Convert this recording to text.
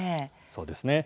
そうですね。